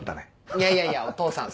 いやいやいやお義父さん